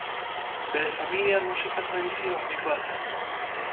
Bere familia musika tradizio handikoa zen.